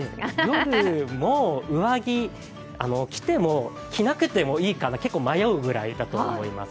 夜も上着、着ても着なくてもいいかな、結構迷うくらいかなと思います。